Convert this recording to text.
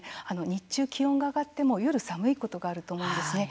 日中、気温が上がっても夜寒いことがあると思うんですね。